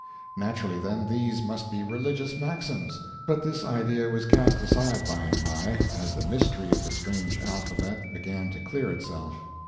Naturally, then, these must be religious maxims. But this idea was cast aside by and by, as the mystery of the strange alphabet began to clear itself.